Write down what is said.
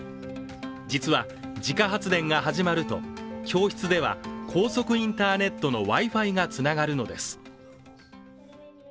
実は、自家発電が始まると教室では高速インターネットのＷｉ−Ｆｉがつながるのです。